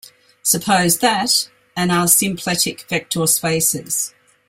Suppose that and are symplectic vector spaces.